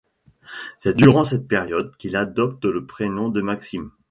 C'est durant cette période qu'il adopte le prénom de Maxime.